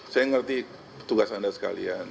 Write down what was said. saya ngerti tugas anda sekalian